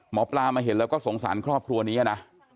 หมอปลามาเห็นแล้วก็สงสารครอบครัวนี้นะ